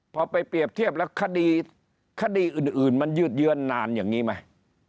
พอไปเปรียบเทียบแล้วคดีอื่นมันยืดเยื้อนนานอย่างนี้ไหม